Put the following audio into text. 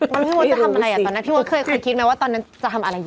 ท่านพี่โมชน์จะทำอะไรนะตอนนั้นข้าคิดไหมว่าตอนนั้นจะทำอะไรอยู่